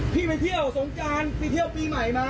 พี่ไปเที่ยวสงการไปเที่ยวปีใหม่มา